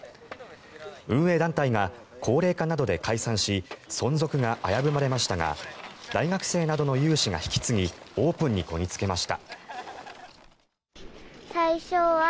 運営団体が高齢化などで解散し存続が危ぶまれましたが大学生などの有志が引き継ぎオープンにこぎ着けました。